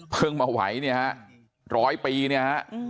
เพิ่งมาไหวเนี่ยฮะ๑๐๐ปีเนี่ยฮะ